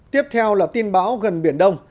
tiếp theo là tin báo gần biển đông